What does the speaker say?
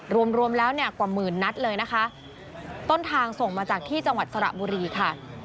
รวมรวมแล้วเนี่ยกว่าหมื่นนัดเลยนะคะต้นทางส่งมาจากที่จังหวัดสระบุรีค่ะ